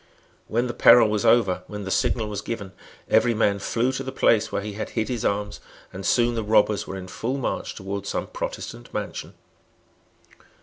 When the peril was over, when the signal was given, every man flew to the place where he had hid his arms; and soon the robbers were in full march towards some Protestant mansion.